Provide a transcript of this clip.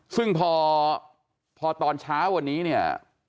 ซึ่งพอตอนเช้าวันนี้